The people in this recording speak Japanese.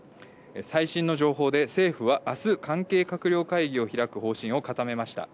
最新の情報で、政府はあす、関係閣僚会議を開く方針を固めました。